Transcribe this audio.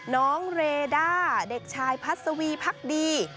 น้องเรด้าเด็กชายพัศวีพักดี